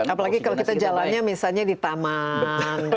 apalagi kalau kita jalannya misalnya di taman